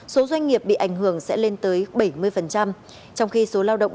số doanh nghiệp bị ảnh hưởng sẽ lên tới bảy mươi trong khi số lao động